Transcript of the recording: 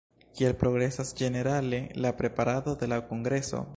Kiel progresas ĝenerale la preparado de la kongreso?